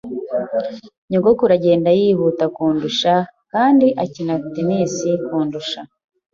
Nyogokuru agenda yihuta kundusha, kandi akina tennis kundusha.